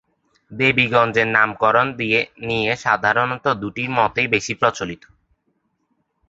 দেবীগঞ্জ নামকরণ নিয়ে সাধারণত দুটি মতই বেশি প্রচলিত।